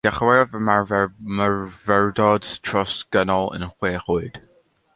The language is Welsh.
Dechreuodd ymarfer Myfyrdod Trosgynnol yn chwech oed.